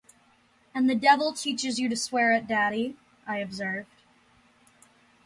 'And the devil teaches you to swear at daddy?’ I observed.